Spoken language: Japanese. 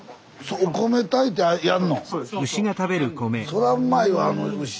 そらうんまいわあの牛。